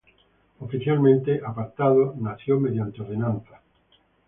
Oficialmente, Apartadó nació mediante ordenanza No.